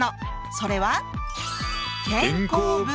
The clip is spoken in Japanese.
それは。